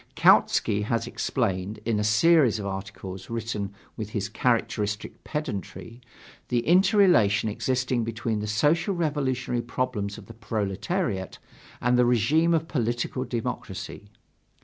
Kautsky has explained, in a series of articles written with his characteristic pedantry, the interrelation existing between the Social Revolutionary problems of the proletariat and the regime of political democracy.